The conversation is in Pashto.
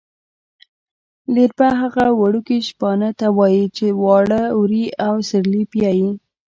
لېربه هغه وړکي شپانه ته وايي چې واړه وري او سېرلی پیایي.